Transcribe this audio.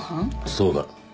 そうだ。